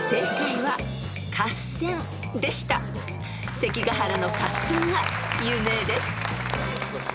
［関ヶ原の合戦が有名です］